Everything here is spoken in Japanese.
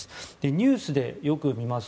ニュースでよく見ます